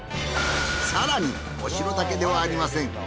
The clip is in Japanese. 更にお城だけではありません。